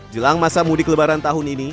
jelang masa mudik lebaran tahun ini